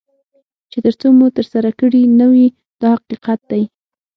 چې تر څو مو ترسره کړي نه وي دا حقیقت دی.